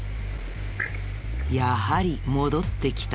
やはり戻ってきた。